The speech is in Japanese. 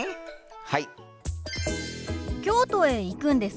はい。